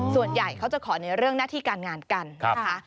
ส่วนใหญ่เขาจะขอในเรื่องหน้าที่การงานกันนะคะ